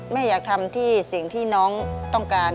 แม่อยากทำที่สิ่งที่น้องต้องการ